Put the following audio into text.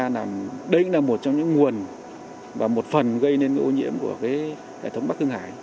đây cũng là một trong những nguồn và một phần gây nên ô nhiễm của cái hệ thống bắc hưng hải